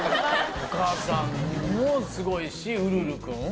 お母さんもすごいしウルル君？